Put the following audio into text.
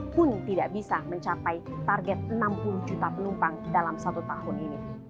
pun tidak bisa mencapai target enam puluh juta penumpang dalam satu tahun ini